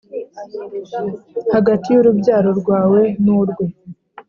hagati y’urubyaro rwawe n’urwe